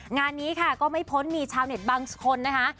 งานนี้ค่ะก็ไม่พ้นมีชาวเน็ตบางคนนะคะ